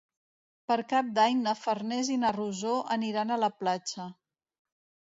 Per Cap d'Any na Farners i na Rosó aniran a la platja.